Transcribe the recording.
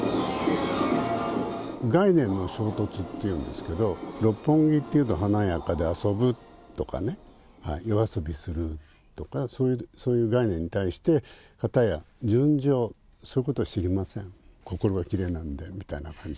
概念の衝突っていうんですけど、六本木っていうと華やかで遊ぶとかね、夜遊びするとか、そういう概念に対して、かたや純情、そういうこと知りません、心はきれいなんだよねみたいな感じ。